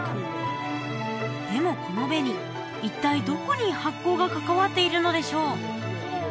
でもこの紅一体どこに発酵が関わっているのでしょう？